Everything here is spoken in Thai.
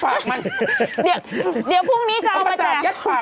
ปากมันเดี๋ยวเดี๋ยวพรุ่งนี้ก็เอามาจากประตากยักษ์ปาก